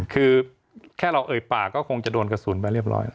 คือแค่เราเอ่ยปากก็คงจะโดนกระสุนไปเรียบร้อย